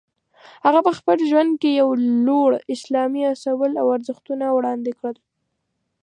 هغه په خپل ژوند کې یو لوړ اسلامي اصول او ارزښتونه وړاندې کړل.